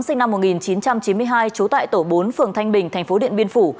sinh năm một nghìn chín trăm chín mươi hai trú tại tổ bốn phường thanh bình thành phố điện biên phủ